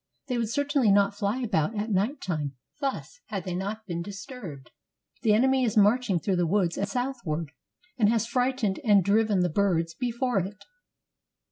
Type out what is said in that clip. They would certainly not fly about at night time thus had they not been disturbed. The enemy is marching through the woods southward, and has frightened and driven the birds before it."